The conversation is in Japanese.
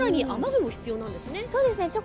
更に雨具も必要なんですね？